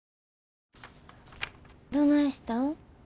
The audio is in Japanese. どないしたん？